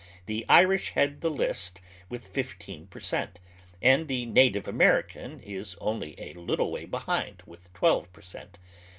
The Irish head the list with fifteen per cent., and the native American is only a little way behind with twelve per cent.